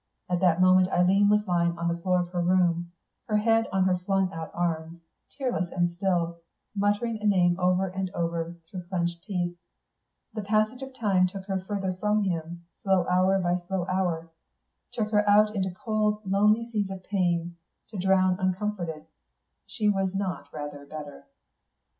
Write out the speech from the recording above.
At that moment Eileen was lying on the floor of her room, her head on her flung out arms, tearless and still, muttering a name over and over, through clenched teeth. The passage of time took her further from him, slow hour by slow hour; took her out into cold, lonely seas of pain, to drown uncomforted. She was not rather better.